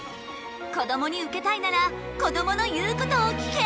こどもにウケたいならこどもの言うことを聞け！